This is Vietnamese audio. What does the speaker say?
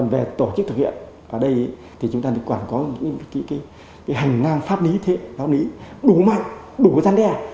về tổ chức thực hiện chúng ta có những hành năng pháp lý đủ mạnh đủ răn đe